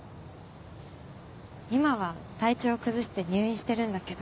今は体調を崩して入院してるんだけど。